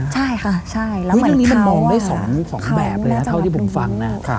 ใช่ค่ะใช่แล้วเหมือนเขามันมองได้สองแบบเลยนะเท่าที่ผมฟังน่ะ